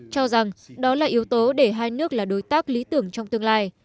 cho rằng đó là yếu tố để hai nước là đối tác lý tưởng trong tương lai